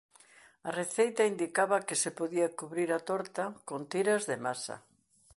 A receita indicaba que se podía cubrir a torta con tiras de masa.